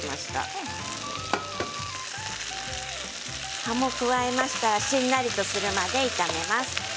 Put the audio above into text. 葉を加えましたらしんなりとするまで炒めます。